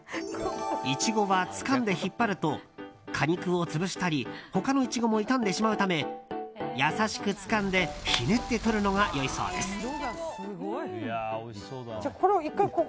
イチゴはつかんで引っ張ると果肉を潰したり他のイチゴも傷んでしまうため優しくつかんでひねってとるのが良いそうです。